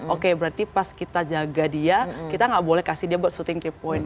oke berarti pas kita jaga dia kita nggak boleh kasih dia buat shooting kery point